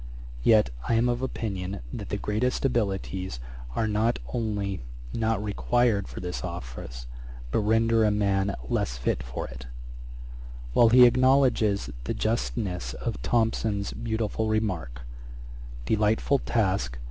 Yet I am of opinion that the greatest abilities are not only not required for this office, but render a man less fit for it. [Page 98: Garrick Johnson's pupil. A.D. 1736.] While we acknowledge the justness of Thomson's beautiful remark, 'Delightful task!